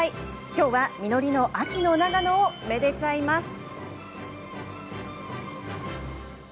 今日は、実りの秋の長野をめでちゃいます。